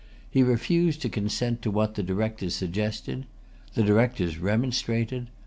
He refused to consent to what the Directors suggested. The Directors remonstrated.